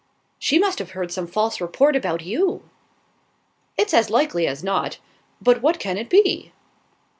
"She must have heard some false report about you." "It's as likely as not; but what can it be?"